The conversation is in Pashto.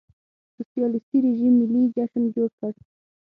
سوسیالېستي رژیم ملي جشن جوړ کړ.